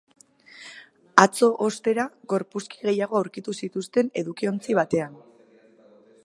Atzo, ostera, gorpuzki gehiago aurkitu zituzten edukiontzi batean.